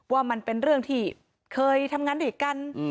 ว่ามันเป็นเรื่องที่เคยทำงานด้วยกัน